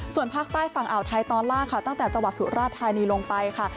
ส่วนภาคใต้ฝั่งอ่าวไทยตอนล่างค่ะตั้งแต่จังหวัดสุราธานีลงไปค่ะ